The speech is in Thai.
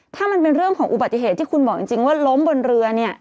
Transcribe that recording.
ถ้ามันเป็นเรื่องของอุบัติเหตุที่คุณบอกจริงว่าล้มบนเรือเนี่ย